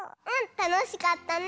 たのしかったね。